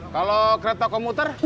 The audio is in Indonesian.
kalau kereta komuter